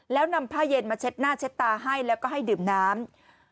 แล้วนำผ้าเย็นมาเช็ดหน้าเช็ดตาให้แล้วก็ให้ดื่มน้ำ